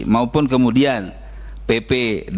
maupun kemudian pp dua dua ribu dua puluh empat